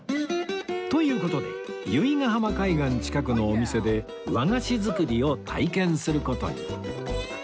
という事で由比ヶ浜海岸近くのお店で和菓子作りを体験する事に